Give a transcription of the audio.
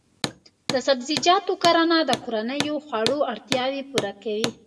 د سبزیجاتو کرنه د کورنیو خوړو اړتیاوې پوره کوي.